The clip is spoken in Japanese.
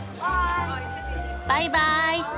バイバーイ。